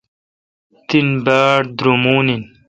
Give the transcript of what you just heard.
تن باڑ درومون این۔